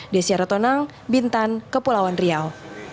desyara tonang bintan kepulauan riau